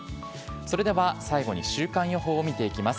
それでは最後に週間予報を見ていきます。